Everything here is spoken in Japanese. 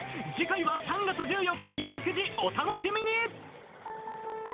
次回は３月１４日夜９時、お楽しみに。